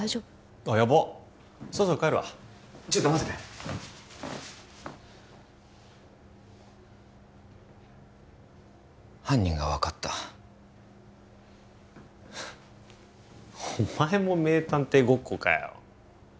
あっヤバッそろそろ帰るわちょっと待ってくれ犯人が分かったお前も名探偵ごっこかよ